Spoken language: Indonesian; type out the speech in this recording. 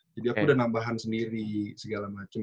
jadi aku udah nambahan sendiri segala macem